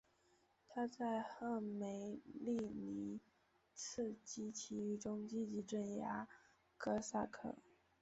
他在赫梅利尼茨基起义中积极镇压哥萨克。